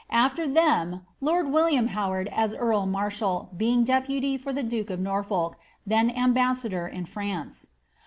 After them lord William Howard as earl marshal being deputy for the duke of Norfolk, then ambassador in Franc^.